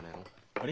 あれ？